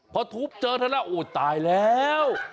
พอทุบเจอเท่านั้นโอ้ตายแล้ว